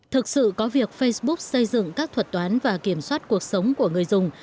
thực sự có việc facebook xây dựng các thuật toán và kiểm soát cuộc sống của người dùng